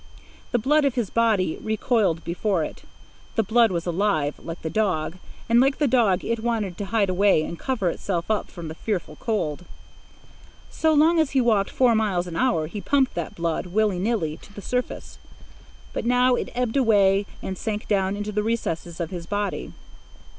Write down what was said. The blood of his body recoiled before it. The blood was alive, like the dog, and like the dog it wanted to hide away and cover itself up from the fearful cold. So long as he walked four miles an hour, he pumped that blood, willy nilly, to the surface; but now it ebbed away and sank down into the recesses of his body.